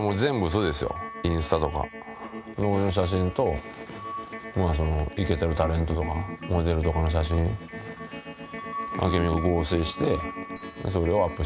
俺の写真とイケてるタレントとかモデルとかの写真アケミが合成してそれをアップして。